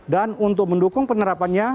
dan untuk mendukung penerapannya